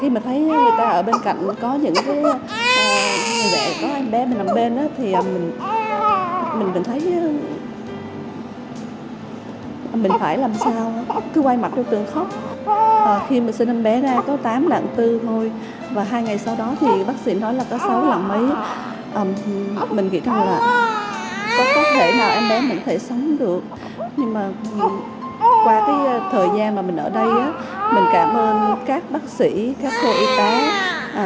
mình cảm ơn các bác sĩ các cô y tá